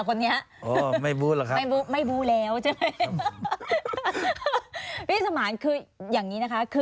คนนี้ไม่บู๊คค